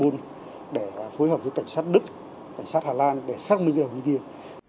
chúng tôi đang phối hợp với cảnh sát đức cảnh sát hà lan để xác minh điều kiện